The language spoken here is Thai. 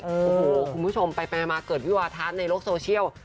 โอ้โหคุณผู้ชมไปมาเกิดวิวาทะในโลกโซเชียล